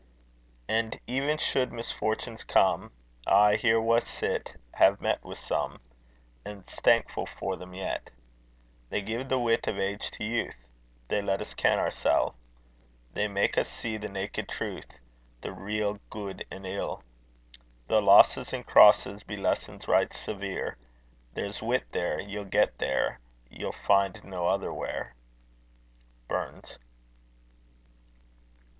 And, even should misfortunes come, I, here wha sit, hae met wi' some, An's thankfu' for them yet. They gie the wit of age to youth; They let us ken oursel'; They mak' us see the naked truth, The real guid and ill. Tho' losses, and crosses, Be lessons right severe, There's wit there, ye'll get there, Ye'll find nae other where. BURNS.